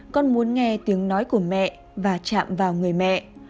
con muốn nghe tiếng nói của mẹ và chạm vào người mẹ